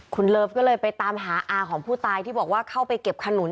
คุณเลิฟก็เลยไปตามหาอาของผู้ตายที่บอกว่าเข้าไปเก็บขนุน